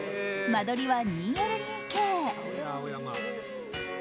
間取りは２ＬＤＫ。